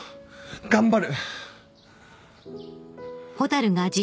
頑張る。